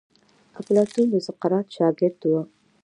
افلاطون د سقراط شاګرد وو.